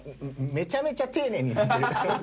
めちゃめちゃ丁寧に塗ってる。